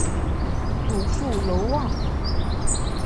祖父娄旺。